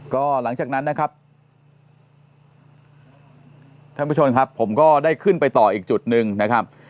ก็หลังจากนั้นนะครับท่านผู้ชมครับผมก็ได้ขึ้นไปต่ออีกจุดหนึ่งนะครับ